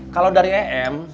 kalo dari em